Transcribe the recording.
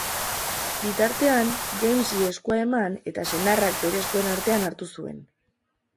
Bitartean, Jamesi eskua eman, eta senarrak bere eskuen artean hartu zuen.